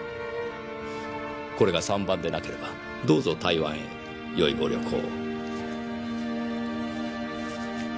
これが３番でなければどうぞ台湾へよいご旅行を。